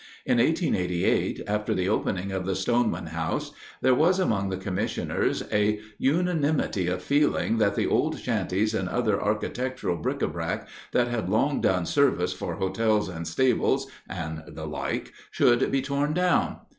In 1888, after the opening of the Stoneman House, there was among the commissioners "a unanimity of feeling that the old shanties and other architectural bric a brac, that had long done service for hotels and stables, and the like, should be torn down."